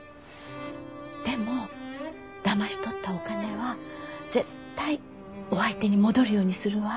でもだまし取ったお金は絶対お相手に戻るようにするわ。